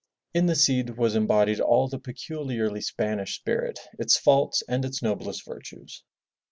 In the Cid was embodied all the peculiarly Spanish spirit, its faults and its noblest virtues.